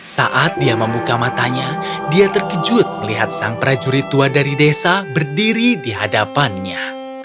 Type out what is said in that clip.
saat dia membuka matanya dia terkejut melihat sang prajurit tua dari desa berdiri di hadapannya